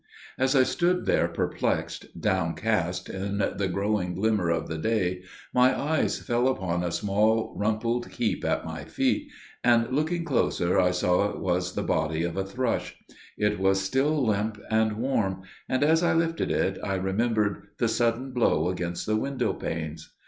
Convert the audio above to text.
As I stood there, perplexed, downcast, in the growing glimmer of the day, my eyes fell upon a small rumpled heap at my feet, and looking closer I saw it was the body of a thrush; it was still limp and warm, and as I lifted it I remembered the sudden blow against the window panes.